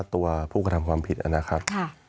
มีความรู้สึกว่ามีความรู้สึกว่า